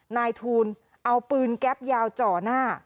นายทูลเอาปืนแก๊ปยาวจ่อหน้า